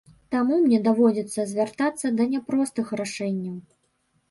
Таму мне даводзіцца звяртацца да няпростых рашэнняў.